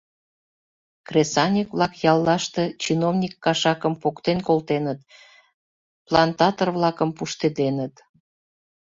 Кресаньык-влак яллаште чиновник кашакым поктен колтеныт, плантатор-влакым пуштеденыт.